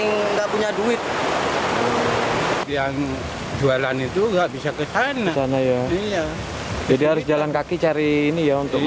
nggak ada jalur satu ini